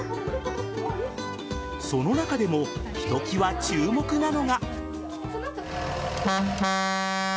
その中でもひときわ注目なのが。